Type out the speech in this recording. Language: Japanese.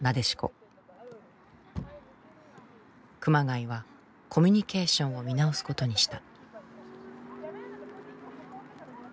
熊谷はコミュニケーションを見直すことにした。